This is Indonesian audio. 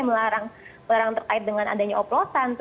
sekarang terkait dengan adanya oposan